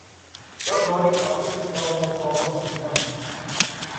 Таа вари кафе и си става малку албански коњак.